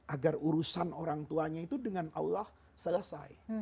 agar urusan orang tuanya itu dengan allah selesai